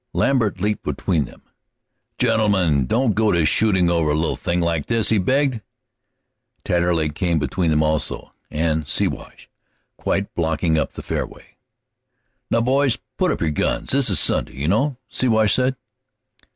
Lambert leaped between them. "Gentlemen, don't go to shootin' over a little thing like this!" he begged. Taterleg came between them, also, and Siwash, quite blocking up the fairway. "Now, boys, put up your guns; this is Sunday, you know," Siwash said.